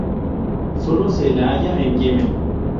Solo se la halla en Yemen.